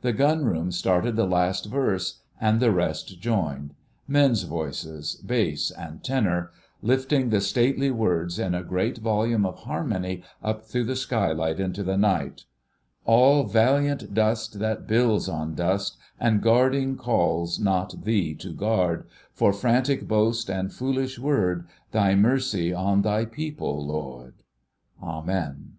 The Gunroom started the last verse, and the rest joined—men's voices, bass and tenor, lifting the stately words in a great volume of harmony up through the skylight into the night— "All valiant dust that builds on dust, And guarding calls not thee to guard, For frantic boast and foolish word Thy mercy on thy people, Lord! Amen!"